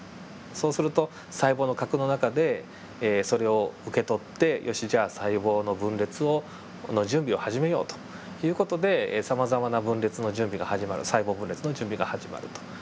そうすると細胞の核の中でそれを受け取ってよしじゃあ細胞の分裂の準備を始めようという事でさまざまな分裂の準備が始まる細胞分裂の準備が始まると。